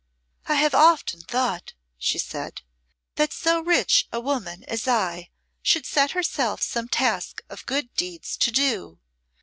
"I have often thought," she said, "that so rich a woman as I should set herself some task of good deeds to do.